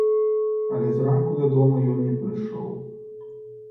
Але зранку дадому ён не прыйшоў.